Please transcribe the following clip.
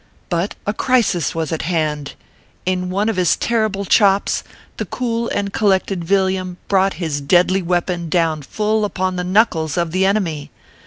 But a crisis was at hand ! In one of his terrible chops, the cool and collected Villiam brought his deadly weapon down full upon the knuckles of the enemy.